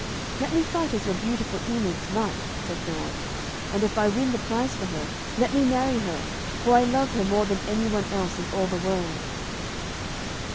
'Let me fight as your beautiful Enid's knight,' said Geraint. 'And if I win the prize for her, let me marry her, for I love her more than any one else in all the world.'